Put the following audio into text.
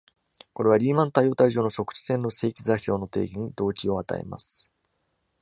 これは、リーマン多様体上の測地線の正規座標の定義に動機を与えます。